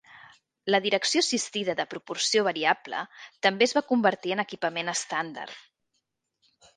La direcció assistida de proporció variable també es va convertir en equipament estàndard.